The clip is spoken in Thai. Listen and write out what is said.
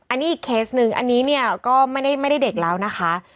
อันนี้อีกเคสหนึ่งอันนี้เนี่ยก็ไม่ได้เด็กแล้วนะคะ